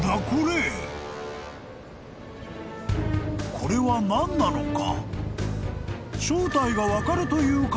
［これは何なのか？］